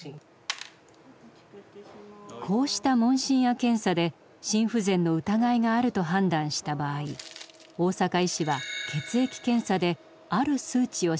こうした問診や検査で心不全の疑いがあると判断した場合大坂医師は血液検査である数値を調べます。